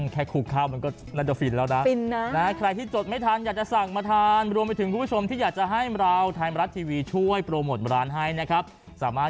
แค่คูกข้าวมันก็น่าจะฟินแล้วนะใครที่จดไม่ทันอยากจะสั่งมาทานรวมไปถึงคุณผู้ชมที่อยากจะให้เรา